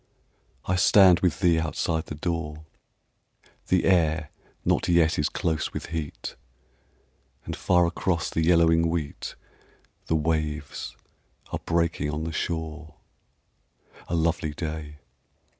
I stand with thee outside the door, The air not yet is close with heat, And far across the yellowing wheat The waves are breaking on the shore. A lovely day!